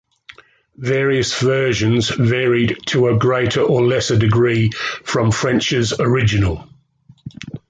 Various versions varied to a greater or lesser degree from French's original.